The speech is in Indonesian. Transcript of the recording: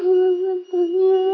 mama mama pengen ma